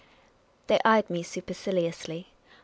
They eyed me superciliously.